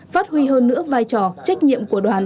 phát huy hơn nữa vai trò trách nhiệm của đoàn